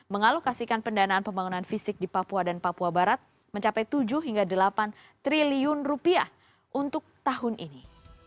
mengalokasikan pendanaan pembangunan fisik di papua dan papua barat mencapai tujuh hingga delapan triliun rupiah untuk tahun ini